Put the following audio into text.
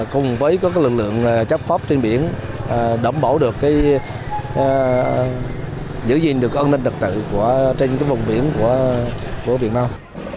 cùng với các lực lượng chấp pháp trên biển đậm bổ được cái giữ gìn được an ninh đặc tự trên cái vùng biển của việt nam